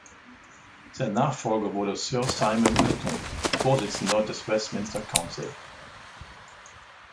Sein Nachfolger wurde Sir Simon Milton, Vorsitzender des Westminster Council.